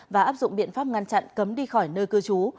và áp dụng biện pháp ngăn chặn cấm đi khỏi nơi cư trú